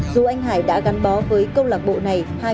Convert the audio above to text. dù anh hải đã gắn bó với câu lạc bộ này